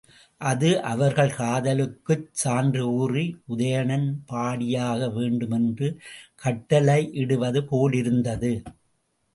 அது அவர்கள் காதலுக்குச் சான்று கூறி உதயணன் பாடியாக வேண்டும் என்று கட்டளையிடுவது போலிருந்தது.